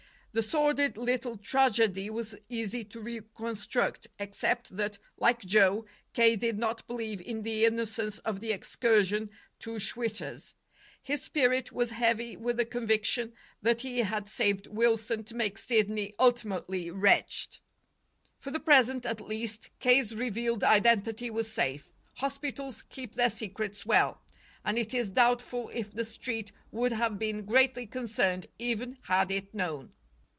The sordid little tragedy was easy to reconstruct, except that, like Joe, K. did not believe in the innocence of the excursion to Schwitter's. His spirit was heavy with the conviction that he had saved Wilson to make Sidney ultimately wretched. For the present, at least, K.'s revealed identity was safe. Hospitals keep their secrets well. And it is doubtful if the Street would have been greatly concerned even had it known.